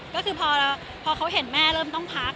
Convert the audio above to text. ก็คือพอเขาเห็นแม่เริ่มต้องพัก